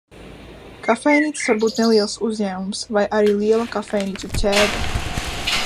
Kafejnīcas var būt neliels uzņēmums vai arī liela kafejnīcu ķēde.